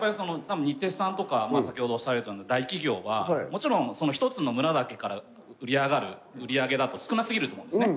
日鉄さんとか先ほどおっしゃられてた大企業はもちろん１つの村だけから売り上がる売り上げだと少なすぎると思うんですね。